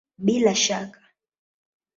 Bila ya shaka!